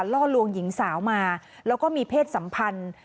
ล่อลวงหญิงสาวมาแล้วก็มีเพศสัมพันธ์